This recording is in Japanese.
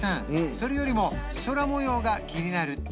それよりも空模様が気になるって？